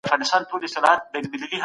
تاسو به له خپلي دندې سره مینه کوئ.